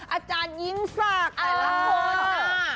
อาจารยิงศักดิ์ไอลักษมณา